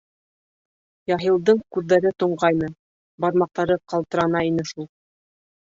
Яһилдың күҙҙәре тонғайны, бармаҡтары ҡалтырана ине шул.